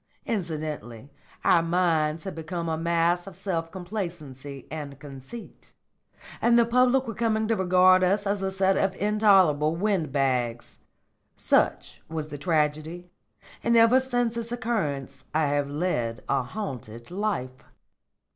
Incidentally our minds had become a mass of self complacency and conceit, and the public were coming to regard us as a set of intolerable wind bags. Such was the tragedy, and ever since its occurrence I have led a haunted life."